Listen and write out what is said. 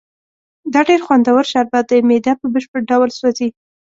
دا ډېر خوندور شربت دی، معده په بشپړ ډول سوځي.